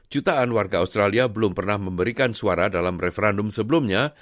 jutaan warga australia belum pernah memberikan suara dalam referendum sebelumnya